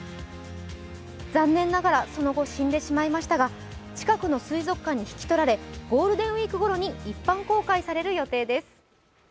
残念ながら、その後死んでしまいましたが、近くの水族館に引き取られゴールデンウイークごろに一般公開される予定です。